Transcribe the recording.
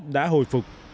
đã hồi phục